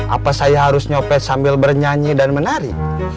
apa saya harus nyopet sambil bernyanyi dan menari